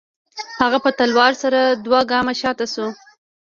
هغه په تلوار سره دوه گامه شاته سوه.